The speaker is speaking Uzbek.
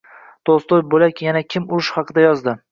Tolstoydan bo’lak yana kim urush haqida yozdi.